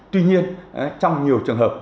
tuy nhiên trong nhiều trường hợp